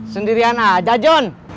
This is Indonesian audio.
sendirian aja john